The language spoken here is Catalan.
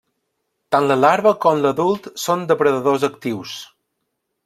Tant la larva com l'adult són depredadors actius.